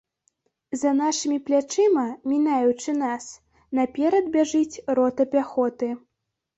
За нашымі плячыма, мінаючы нас, наперад бяжыць рота пяхоты.